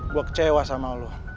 gue kecewa sama lo